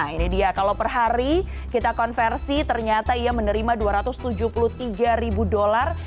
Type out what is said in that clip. ini dia kalau per hari kita konversi ternyata ia menerima dua ratus tujuh puluh tiga ribu dolar